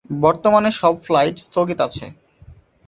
বর্তমানে সব ফ্লাইট স্থগিত আছে।